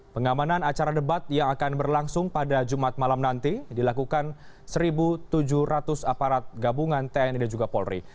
pengamanan acara debat yang akan berlangsung pada jumat malam nanti dilakukan satu tujuh ratus aparat gabungan tni dan juga polri